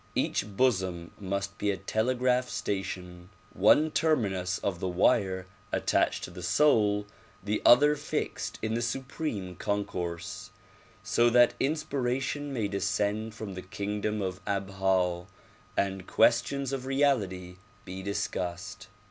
Each bosom must be a telegraph station; one terminus of the wire attached to the soul, the other fixed in the Supreme Concourse, so that inspiration may descend from the kingdom of Abha and questions of reality be discussed.